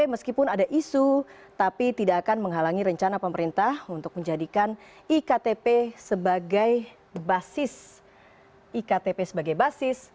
meskipun ada isu tapi tidak akan menghalangi rencana pemerintah untuk menjadikan iktp sebagai basis